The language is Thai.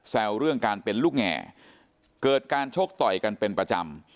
เรื่องการเป็นลูกแง่เกิดการชกต่อยกันเป็นประจำ